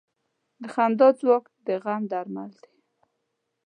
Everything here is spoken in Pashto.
د خندا ځواک د غم درمل دی.